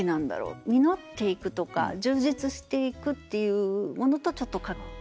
実っていくとか充実していくっていうものとちょっとかかっている。